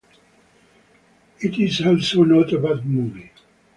It is also not a bad movie.